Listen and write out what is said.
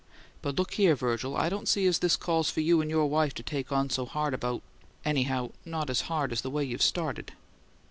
But look here, Virgil, I don't see as this calls for you and your wife to take on so hard about anyhow not as hard as the way you've started."